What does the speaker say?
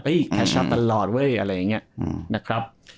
แคชชอบตลอดเว้ยอะไรอย่างนี้นะครับ